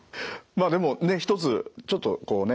まあでもね一つちょっとこうね